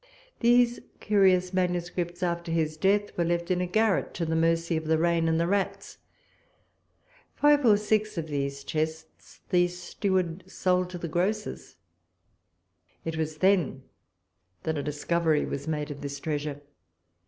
These curious manuscripts, after his death, were left in a garret to the mercy of the rain and the rats. Five or six of these chests the steward sold to the grocers. It was then that a discovery was made of this treasure.